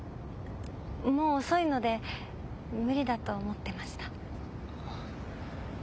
もう遅いので無理だと思ってました。